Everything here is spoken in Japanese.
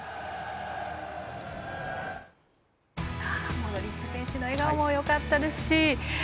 モドリッチ選手の笑顔もよかったですし